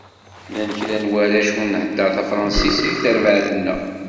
Llan kra n warrac ur nhedder tafransist deg terbaεt-nneɣ.